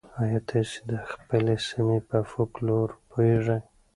ایا تاسي د خپلې سیمې په فولکلور پوهېږئ؟